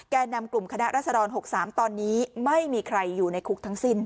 นำกลุ่มคณะรัศดร๖๓ตอนนี้ไม่มีใครอยู่ในคุกทั้งสิ้น